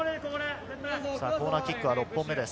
コーナーキックは６本目です。